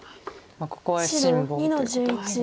ここは辛抱ということです。